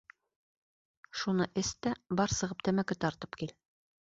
Шуны эс тә, бар сығып тәмәке тартып кил.